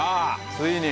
ついに。